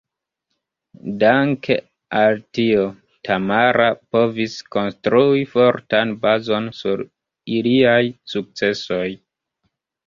Danke al tio, Tamara povis konstrui fortan bazon sur iliaj sukcesoj.